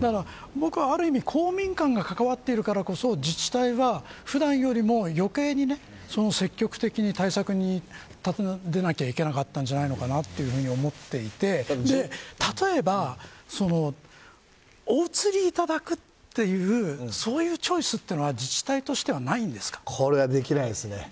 だから僕は、ある意味公民館が関わっているからこそ自治体は普段よりも余計に積極的に対策に出なきゃいけなかったんじゃないのかなと思っていて例えば、お移りいただくというそういうチョイスはこれはできないですね。